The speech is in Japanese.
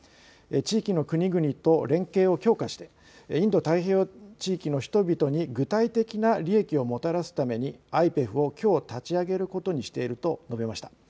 地域の国々と連携を強化してインド太平洋地域の人々に具体的な利益をもたらすためにＩＰＥＦをきょう、立ち上げることにしていると述べました。